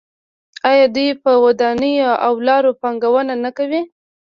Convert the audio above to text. آیا دوی په ودانیو او لارو پانګونه نه کوي؟